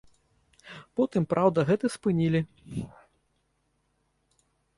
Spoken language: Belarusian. Потым, праўда, гэта спынілі.